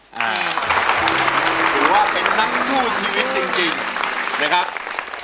หรือว่าเป็นน้ำสู้ชีวิตจริง